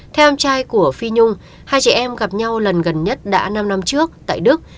theo em trai của phi nhung hai chị em gặp nhau lần gần nhất đã năm năm trước tại đức